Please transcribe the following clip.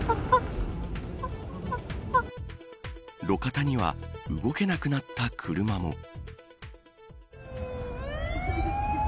路肩には動けなくなった車も。